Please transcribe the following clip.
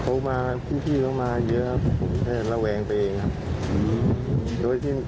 เข้ามางานพี่เข้ามาเยี้ยวแล้วแวงจงไป